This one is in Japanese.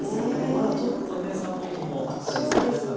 まだちょっとね寒い日もあったりする中で。